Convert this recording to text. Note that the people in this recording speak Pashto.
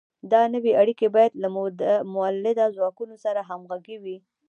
دا نوې اړیکې باید له مؤلده ځواکونو سره همغږې وي.